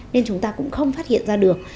nên chúng ta cũng không phát hiện ra được